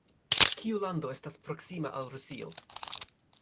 Kiu lando estas proksima al Rusio?